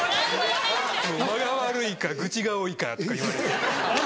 もう「間が悪いかグチが多いか」とか言われて。